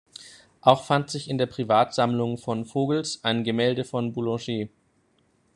Auch fand sich in der Privatsammlung von Vogels ein Gemälde von Boulenger.